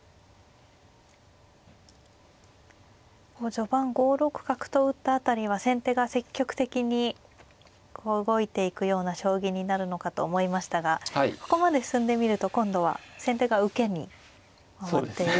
序盤５六角と打った辺りは先手が積極的に動いていくような将棋になるのかと思いましたがここまで進んでみると今度は先手が受けに回っている。